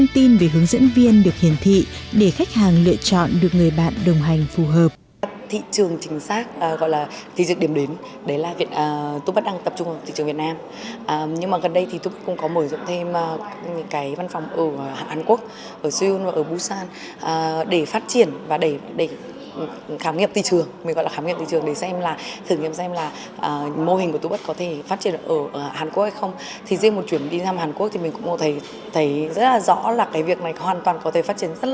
tin về hướng dẫn viên được hiển thị để khách hàng lựa chọn được người bạn đồng hành phù hợp